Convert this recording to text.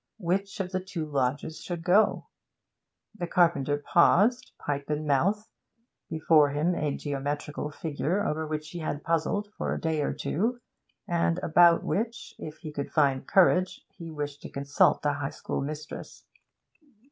Which of the two lodgers should go? The carpenter paused, pipe in mouth, before him a geometrical figure over which he had puzzled for a day or two, and about which, if he could find courage, he wished to consult the High School mistress.